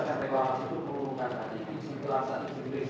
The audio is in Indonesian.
tadi kan sudah sudah